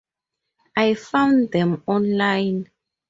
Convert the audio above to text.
I found them online.